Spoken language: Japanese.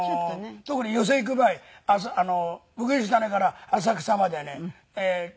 特に寄席行く場合鶯谷から浅草までね。